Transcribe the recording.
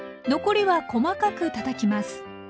残りは細かくたたきます。